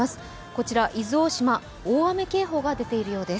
こちら、伊豆大島、大雨警報が出ているようです